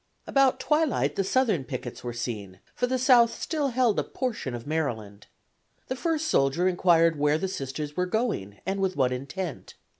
About twilight the Southern pickets were seen, for the South still held a portion of Maryland. The first soldier inquired where the Sisters were going, and with what intent.